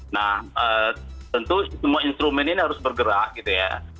nah tentu semua instrumen ini harus bergerak gitu ya